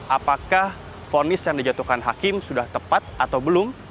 apakah fonis yang dijatuhkan hakim sudah tepat atau belum